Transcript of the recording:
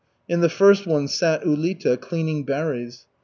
In the first one sat Ulita, cleaning berries.